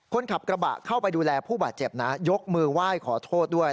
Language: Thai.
คนขับกระบะเข้าไปดูแลผู้บาดเจ็บนะยกมือไหว้ขอโทษด้วย